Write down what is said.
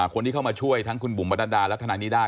คนที่เข้ามาช่วยทั้งคุณบุ๋มประดาและทนายนิด้า